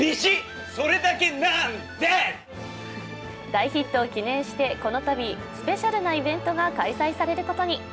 大ヒットを記念して、この度スペシャルなイベントが開催されることに。